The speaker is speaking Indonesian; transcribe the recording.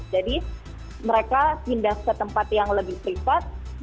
jadi mereka pindah ke tempat yang lebih privat